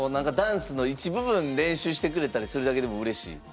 ダンスの一部分練習してくれたりするだけでもうれしい？